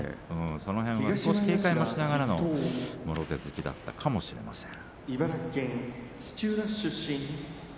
その辺は少し警戒もしながらのもろ手突きだったかもしれません。